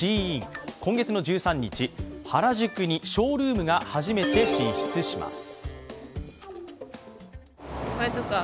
今月の１３日、原宿にショールームが初めて進出します。